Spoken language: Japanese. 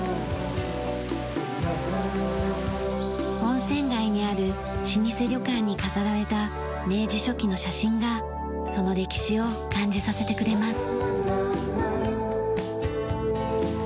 温泉街にある老舗旅館に飾られた明治初期の写真がその歴史を感じさせてくれます。